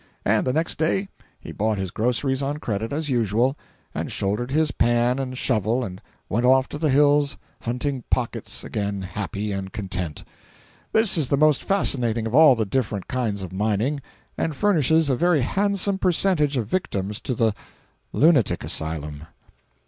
And the next day he bought his groceries on credit as usual, and shouldered his pan and shovel and went off to the hills hunting pockets again happy and content. This is the most fascinating of all the different kinds of mining, and furnishes a very handsome percentage of victims to the lunatic asylum.